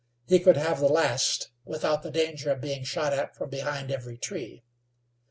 He could have the last without the danger of being shot at from behind every tree.